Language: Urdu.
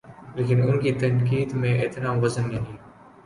لیکن ان کی تنقید میں اتنا وزن نہیں۔